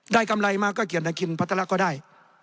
กำไรมาก็เกียรตินาคินพัฒระก็ได้